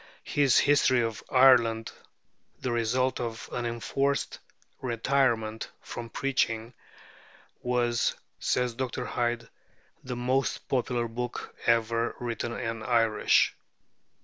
His 'History of Ireland,' the result of an enforced retirement from preaching, was, says Dr. Hyde, "the most popular book ever written in Irish."